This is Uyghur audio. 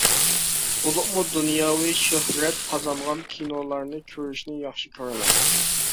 بولۇپمۇ دۇنياۋى شۆھرەت قازانغان كىنولارنى كۆرۈشنى ياخشى كۆرىمەن.